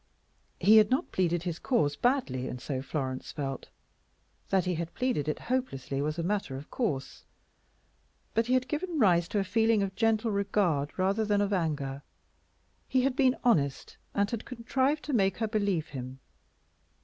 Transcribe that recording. He had not pleaded his cause badly, and so Florence felt. That he had pleaded it hopelessly was a matter of course. But he had given rise to feelings of gentle regard rather than of anger. He had been honest, and had contrived to make her believe him.